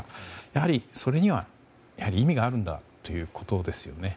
やはり、それには意味があるんだということですね。